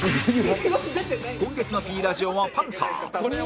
今月の Ｐ ラジオはパンサー